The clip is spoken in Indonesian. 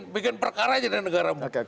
bikin perkara aja dari negaramu